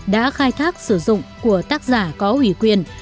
đã khai thác sử dụng của tác giả có ủy quyền